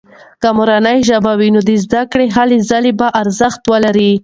که مورنۍ ژبه وي، نو د زده کړې هلې ځلې به ارزښت ولري.